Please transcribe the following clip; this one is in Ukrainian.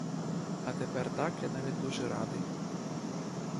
А тепер так я навіть дуже радий.